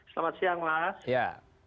selamat siang mas